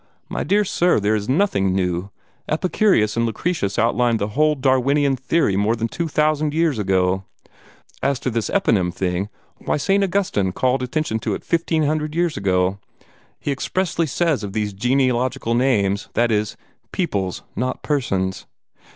My dear sir, there is nothing new. Epicurus and Lucretius outlined the whole Darwinian theory more than two thousand years ago. As for this eponym thing, why Saint Augustine called attention to it fifteen hundred years ago. In his 'De Civitate Dei,' he expressly says of these genealogical names, 'GENTES NON HOMINES;' that is, 'peoples, not persons.'